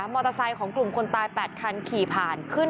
มอเตอร์ไซค์ของกลุ่มคนตาย๘คันขี่ผ่านขึ้น